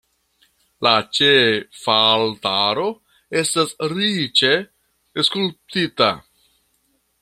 La ĉefaltaro estas riĉe skulptita.